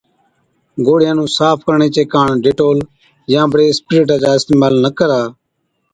گوڙهِيان نُون صاف ڪرڻي چي ڪاڻ ڊيٽول يان بڙي اِسپرِيٽا چا اِستعمال نہ ڪرا